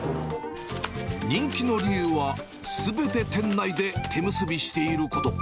人気の理由は、すべて店内で手むすびしていること。